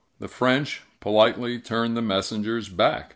The French politely turned the messengers back.